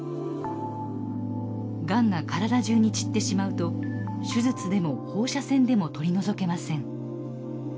がんが体中に散ってしまうと手術でも放射線でも取り除けません。